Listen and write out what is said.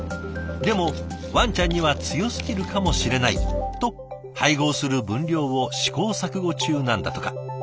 でもワンちゃんには強すぎるかもしれないと配合する分量を試行錯誤中なんだとか。